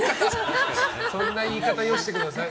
そんな言い方よしてください。